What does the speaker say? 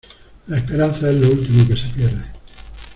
La esperanza es lo último que se pierde.